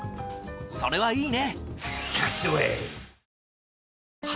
それはいいね！